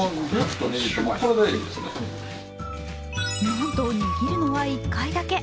なんと握るのは１回だけ。